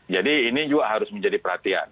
jadi ini juga harus menjadi perhatian